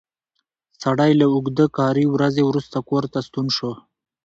سړی له اوږده کاري ورځې وروسته کور ته ستون شو